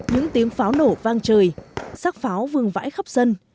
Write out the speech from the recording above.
những tiếng pháo nổ vang trời sát pháo vương vãi khắp dân